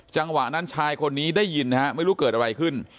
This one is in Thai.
จังหวะนั้นชายคนนี้ได้ยินนะฮะไม่รู้เกิดอะไรขึ้น